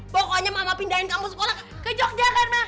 pokoknya mama pindahin kamu sekolah ke jogja kan ma